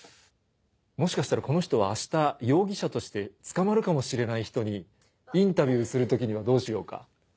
もしかしたらこの人は明日容疑者として捕まるかもしれない人にインタビューする時にはどうしようか？